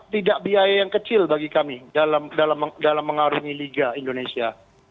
tidak biaya yang kecil bagi kami dalam mengarungi liga indonesia